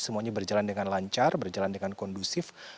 semuanya berjalan dengan lancar berjalan dengan kondusif